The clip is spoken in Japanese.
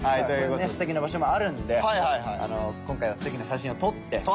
そういうね素敵な場所もあるんで今回は素敵な写真を撮って。